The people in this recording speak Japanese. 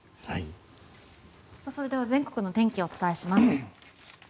それでは全国の天気をお伝えします。